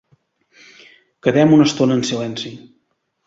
Quedem una estona en silenci.